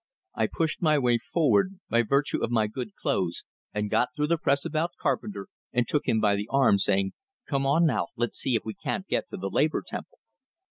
I pushed my way forward, by virtue of my good clothes, and got through the press about Carpenter, and took him by the arm, saying, "Come on now, let's see if we can't get to the Labor Temple."